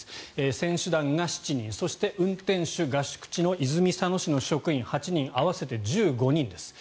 選手団が７人そして、運転手合宿地の泉佐野市の職員８人合わせて１５人です。